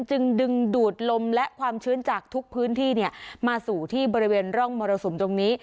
จึงดึงดูดลมและความชื้นจากทุกพื้นที่มาสู่ที่บริเวณร่องมรสุมตรงนี้